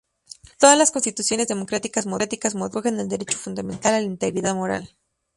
Todas las constituciones democráticas modernas recogen el derecho fundamental a la integridad moral.